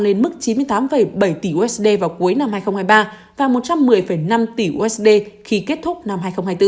lên mức chín mươi tám bảy tỷ usd vào cuối năm hai nghìn hai mươi ba và một trăm một mươi năm tỷ usd khi kết thúc năm hai nghìn hai mươi bốn